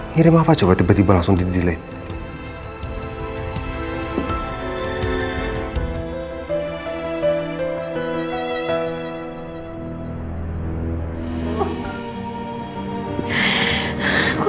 ngerima apa coba tiba tiba langsung didelete